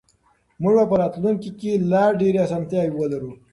موږ به په راتلونکي کې لا ډېرې اسانتیاوې ولرو.